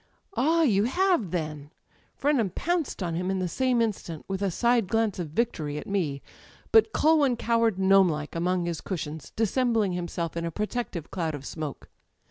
"Ah, you have, then!" Frenham pounced on him in the same instant, with a side glance of victory at me; but Culwin cowered gnomelike among his cushions, dissembling himself in a protective cloud of smoke.